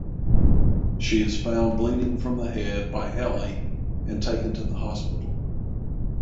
She is found bleeding from the head by Ellie and taken to the hospital.